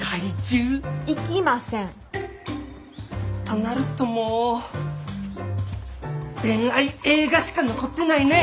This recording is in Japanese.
となるともう恋愛映画しか残ってないね。